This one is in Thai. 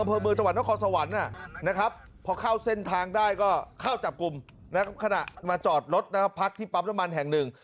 อำเภอมือจัวร์น้องคอสวรรค์พอเข้าเส้นทางได้ก็เข้าจับกุมขณะมาจอดรถพักที่ปั๊บน้ำมันแห่ง๑